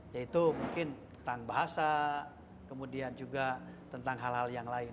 yaitu mungkin tentang bahasa kemudian juga tentang hal hal yang lain